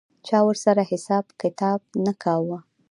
چا ورسره حساب کتاب نه کاوه.